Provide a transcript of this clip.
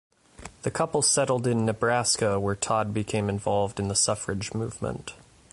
The couple settled in Nebraska where Todd became involved in the suffrage movement.